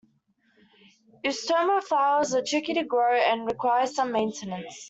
"Eustoma" flowers are tricky to grow and require some maintenance.